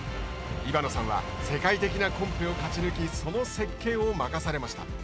伊庭野さんは世界的なコンペを勝ち抜きその設計を任されました。